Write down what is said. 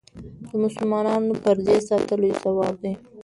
د مسلمان د پردې ساتل لوی ثواب لري.